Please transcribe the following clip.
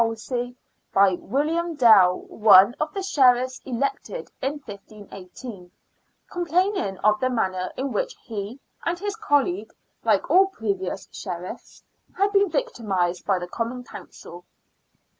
Wolsey, by William Dale, one of the Sheriffs elected in 15 1 8, complaining of the manner in which he and his colleague, like all previous Sheriffs, had been victimised by the Common Council.